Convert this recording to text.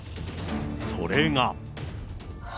それが。